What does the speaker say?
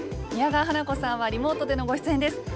宮川花子さんはリモートでのご出演です。